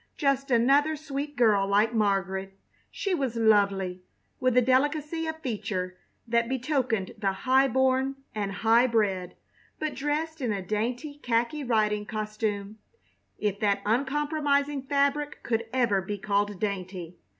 Just another sweet girl like Margaret. She was lovely, with a delicacy of feature that betokened the high born and high bred, but dressed in a dainty khaki riding costume, if that uncompromising fabric could ever be called dainty.